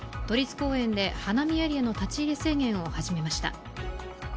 都立公園で花見エリアの立ち入り制限を始めました。